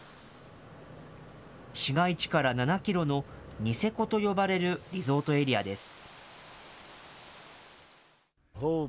市街地から７キロのニセコと呼ばれるリゾートエリアです。